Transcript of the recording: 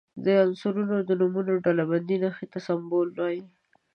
د عنصرونو د نومونو لنډي نښې ته سمبول وايي.